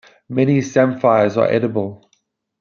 Many samphires are edible.